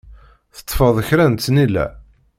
Teṭṭfeḍ kra n tnila?